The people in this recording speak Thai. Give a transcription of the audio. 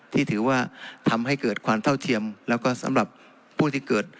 ที่ถือว่าทำให้เกิดความเท่าเทียมแล้วก็สำหรับผู้ที่เกิด